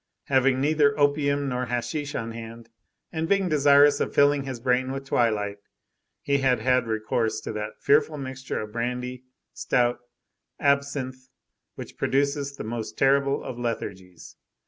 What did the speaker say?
Having neither opium nor hashish on hand, and being desirous of filling his brain with twilight, he had had recourse to that fearful mixture of brandy, stout, absinthe, which produces the most terrible of lethargies.